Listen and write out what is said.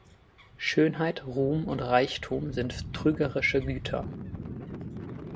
Schönheit, Ruhm und Reichtum sind trügerische Güter.